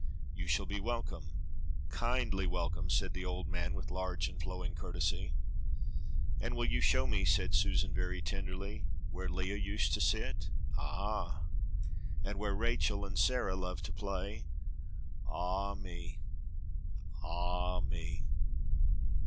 "You shall be welcome, kindly welcome," said the old man with large and flowing courtesy. "And will you show me," said Susan very tenderly, "where Leah used to sit?" "Ah!" "And where Rachel and Sarah loved to play?" "Ah me! Ah me!